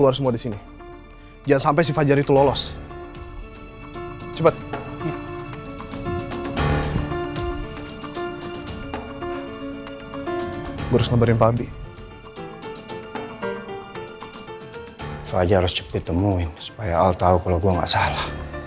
kayanya mama gelisah tapi ga tau kenapa